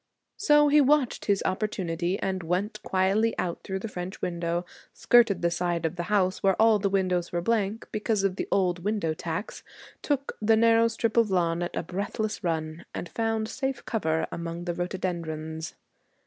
So he watched his opportunity and went quietly out through the French window, skirted the side of the house where all the windows were blank because of the old window tax, took the narrow strip of lawn at a breathless run, and found safe cover among the rhododendrons.